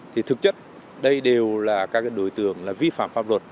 thì thực chất đây đều là các đối tượng vi phạm pháp luật